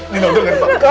nino dengerin papa